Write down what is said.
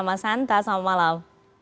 mas hanta selamat malam